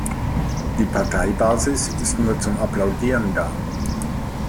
Die Parteibasis ist nur zum Applaudieren da.